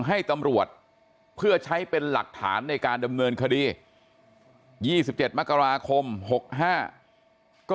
ให้ตำรวจเพื่อใช้เป็นหลักฐานในการดำเนินคดี๒๗มกราคม๖๕ก็